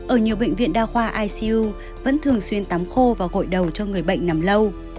ở nhiều bệnh viện đa khoa isu vẫn thường xuyên tắm khô và gội đầu cho người bệnh nằm lâu